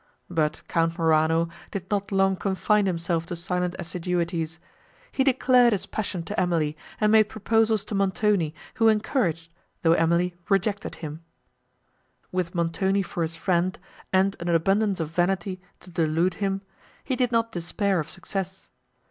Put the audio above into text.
But Count Morano did not long confine himself to silent assiduities; he declared his passion to Emily, and made proposals to Montoni, who encouraged, though Emily rejected, him: with Montoni for his friend, and an abundance of vanity to delude him, he did not despair of success.